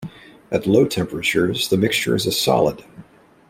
At low temperatures, the mixture is a solid.